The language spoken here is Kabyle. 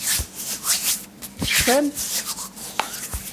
Tecfamt?